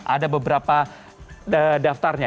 ada beberapa daftarnya